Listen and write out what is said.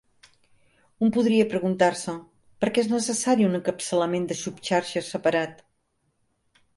Un podria preguntar-se "per què és necessari un encapçalament de subxarxa separat?".